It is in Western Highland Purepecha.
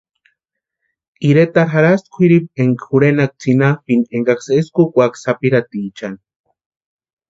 Iretarhu jarhasïnti kwíripu énka jurhenaaka tsinapʼini énkaksï eskwa úkwaka sapirhatichani.